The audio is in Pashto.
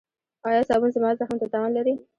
ایا صابون زما زخم ته تاوان لري؟